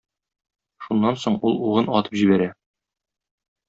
Шуннан соң ул угын атып җибәрә.